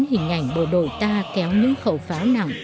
hình ảnh bộ đội ta kéo những khẩu pháo nặng